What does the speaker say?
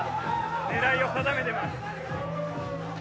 狙いを定めてます。